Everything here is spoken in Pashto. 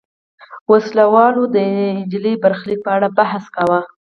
وسله والو د نجلۍ برخلیک په اړه بحث کاوه.